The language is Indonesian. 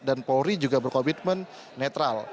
dan polri juga berkomitmen netral